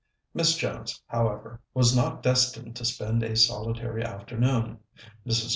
Miss Jones, however, was not destined to spend a solitary afternoon. Mrs.